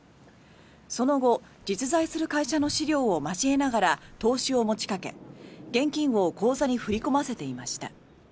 その後実在する会社の資料を交えながら投資を持ちかけ、現金を口座に振り込ませていました。